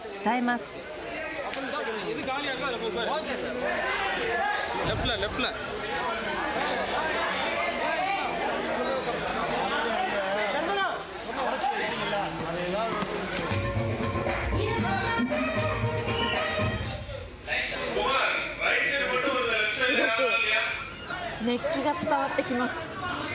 すごく熱気が伝わってきます